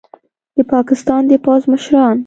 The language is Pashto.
د پاکستان د پوځ مشران